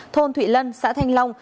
thôn thụy lân xã thanh long